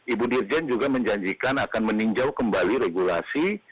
ibu dirjen juga menjanjikan akan meninjau kembali regulasi